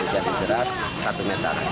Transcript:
jadi berat satu meter